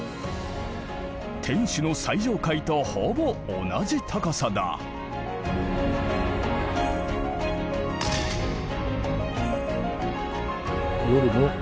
天守の最上階とほぼ同じ高さだ。